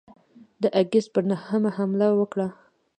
د آګسټ پر نهمه حمله وکړه.